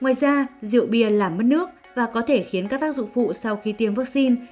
ngoài ra rượu bia làm mất nước và có thể khiến các tác dụng phụ sau khi tiêm vaccine